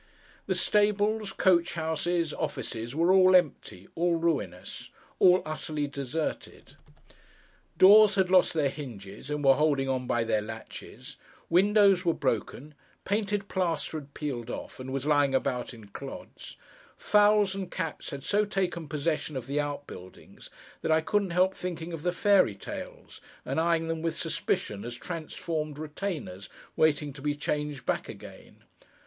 The stables, coach houses, offices, were all empty, all ruinous, all utterly deserted. Doors had lost their hinges, and were holding on by their latches; windows were broken, painted plaster had peeled off, and was lying about in clods; fowls and cats had so taken possession of the out buildings, that I couldn't help thinking of the fairy tales, and eyeing them with suspicion, as transformed retainers, waiting to be changed back again.